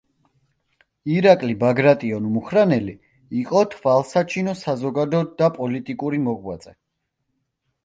ირაკლი ბაგრატიონ-მუხრანელი იყო თვალსაჩინო საზოგადო და პოლიტიკური მოღვაწე.